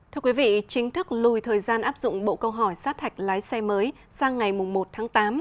thưa quý vị chính thức lùi thời gian áp dụng bộ câu hỏi sát hạch lái xe mới sang ngày một tháng tám